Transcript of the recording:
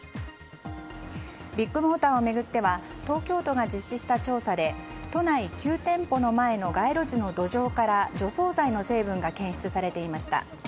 ビッグモーターを巡っては東京都が実施した調査で都内９店舗の前の街路樹の土壌から除草剤の成分が検出されていました。